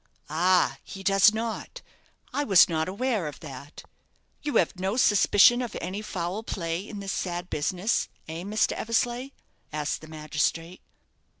"Ah, he does not! I was not aware of that. You have no suspicion of any foul play in this sad business, eh, Mr. Eversleigh?" asked the magistrate.